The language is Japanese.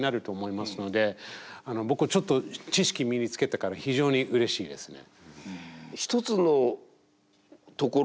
僕ちょっと知識身につけたから非常にうれしいですね。